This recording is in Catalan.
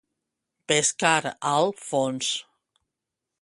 Pescar al fons.